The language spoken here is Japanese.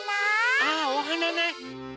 あおはなね！